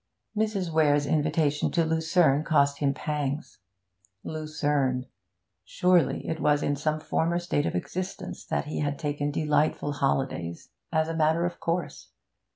Mrs. Weare's invitation to Lucerne cost him pangs. Lucerne! Surely it was in some former state of existence that he had taken delightful holidays as a matter of course.